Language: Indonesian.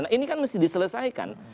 nah ini kan mesti diselesaikan